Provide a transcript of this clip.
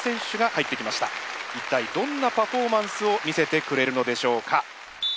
一体どんなパフォーマンスを見せてくれるのでしょうか。